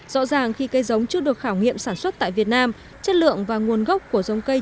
rõ ràng khi cây giống chưa được khảo nghiệm sản xuất tại việt nam chất lượng và nguồn gốc của giống cây